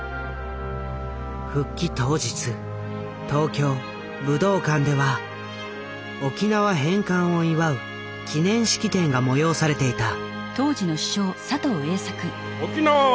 復帰当日東京武道館では沖縄返還を祝う記念式典が催されていた。